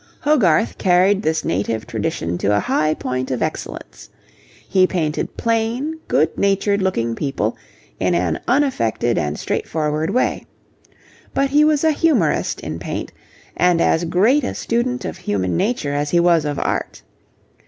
Hogarth carried this native tradition to a high point of excellence. He painted plain, good natured looking people in an unaffected and straightforward way. But he was a humourist in paint, and as great a student of human nature as he was of art.